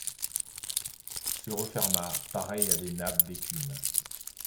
Se referma, pareille à des nappes d'écume.